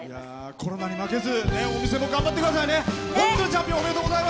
コロナに負けず、お店も頑張ってくださいね。